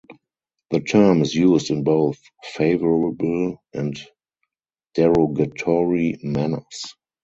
The term is used in both favorable and derogatory manners.